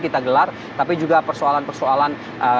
kita gelar tapi juga persoalan persoalan